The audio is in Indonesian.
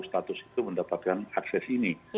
status itu mendapatkan akses ini